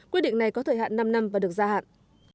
quyết định này có thời hạn năm năm và được gia hạn